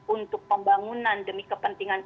untuk pembangunan demi kepentingan